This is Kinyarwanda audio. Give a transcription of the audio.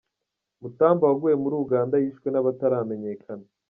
Mutamba waguye muri Uganda yishwe n’abataramenyekana